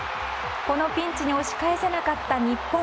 このピンチに押し返せなかった日本。